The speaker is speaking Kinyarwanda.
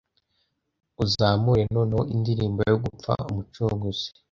Uzamure noneho Indirimbo yo gupfa. Umucunguzi!